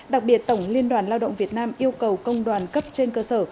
đặc biệt tổng liên đoàn lao động việt nam yêu cầu công đoàn cấp trên cơ sở